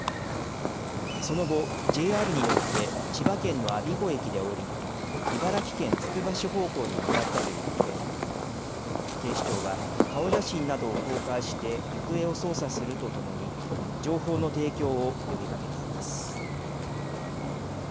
その後、ＪＲに乗って千葉県の我孫子駅で降り茨城県つくば市方向に向かったということで警視庁は顔写真などを公開して行方を捜査するとともに情報の提供を呼びかけています。